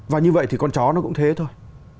và như vậy thì con chó nó cũng thế thôi